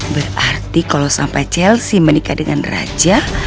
berarti kalau sampai chelsea menikah dengan raja